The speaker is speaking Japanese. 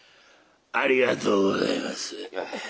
ありがとうございます。